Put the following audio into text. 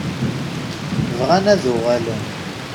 Bɣan ad uɣalen.